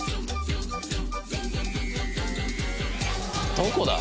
どこだ？